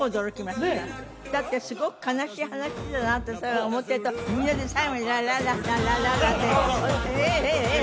だってすごく悲しい話だなって思ってるとみんなで最後に「ララララララ」って「えっ？えっ？えっ？」